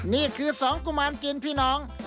นี่คือสองกุมารกินพี่น้อง